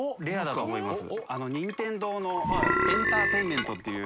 「任天堂」の「エンターテイメント」っていう。